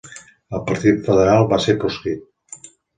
El partit federal va ser proscrit.